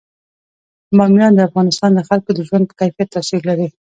بامیان د افغانستان د خلکو د ژوند په کیفیت تاثیر لري.